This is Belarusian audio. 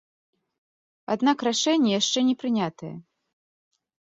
Аднак рашэнне яшчэ не прынятае.